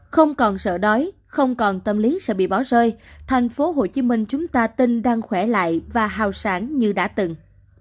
không còn sợ đói không còn tâm lý sẽ bị bỏ rơi thành phố hồ chí minh chúng ta tin đang khỏe lại và hào sảng như đã từng